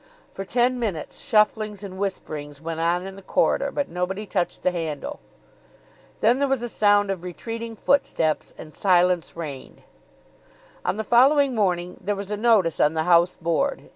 For ten minutes shufflings and whisperings went on in the corridor, but nobody touched the handle. Then there was a sound of retreating footsteps, and silence reigned. On the following morning there was a notice on the house board.